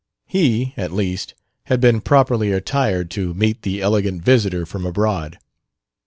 He, at least, had been properly attired to meet the elegant visitor from abroad.